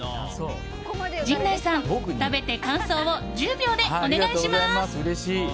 陣内さん、食べて感想を１０秒でお願いします！